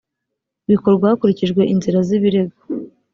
bikorwa hakurikijwe inzira z’ibirego